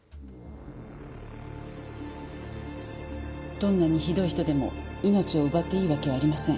どんなにひどい人でも命を奪っていいわけはありません。